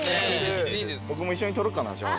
僕も一緒に撮ろうかなじゃあ。